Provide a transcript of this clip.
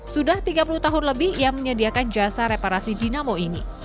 sudah tiga puluh tahun lebih ia menyediakan jasa reparasi dinamo ini